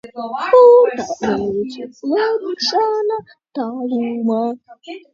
Tas mans rakstītais bija uztaisīts par pārsentimentālu balagānu četrdesmit minūšu garumā.